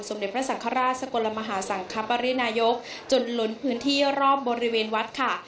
เด็จพระสังฆราชสกลมหาสังคปรินายกจนล้นพื้นที่รอบบริเวณวัดค่ะ